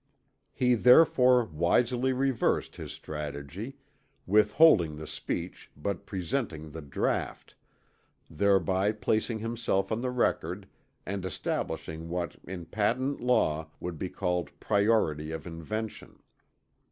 He therefore wisely reversed his strategy, withholding the speech but presenting the draught, thereby placing himself on the record and establishing what in patent law would be called priority of invention.